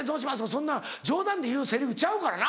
そんなん冗談で言うセリフちゃうからな！